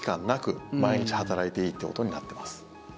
なく毎日働いていいってことになっています。